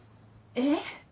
えっ？